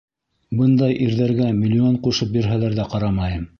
Бындай ирҙәргә миллион ҡушып бирһәләр ҙә ҡарамайым.